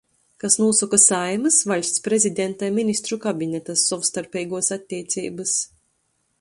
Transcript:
Kas nūsoka Saeimys, Vaļsts prezidenta i Ministru kabineta sovstarpeiguos atteiceibys,